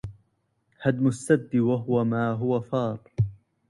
هدم السد وهو ما هو فار